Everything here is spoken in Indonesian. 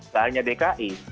gak hanya dki